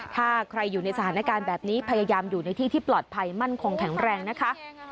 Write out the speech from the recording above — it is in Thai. ถ้าใครอยู่ในสถานการณ์แบบนี้พยายามอยู่ในที่ที่ปลอดภัยมั่นคงแข็งแรงนะคะ